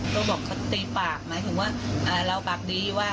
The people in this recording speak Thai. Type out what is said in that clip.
ก็บอกเขาตีปากหมายถึงว่าเราปากดีว่า